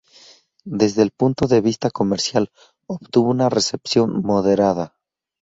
Desde el punto de vista comercial, obtuvo una recepción moderada.